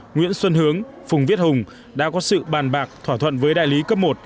nguyễn xuân hướng phùng viết hùng đã có sự bàn bạc thỏa thuận với đại lý cấp một